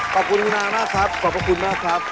ขอบคุณคุณอามากครับขอบพระคุณมากครับ